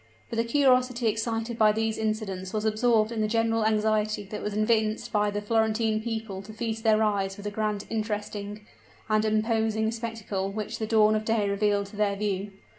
But the curiosity excited by these incidents was absorbed in the general anxiety that was evinced by the Florentine people to feast their eyes with the grand, interesting, and imposing spectacle which the dawn of day revealed to their view.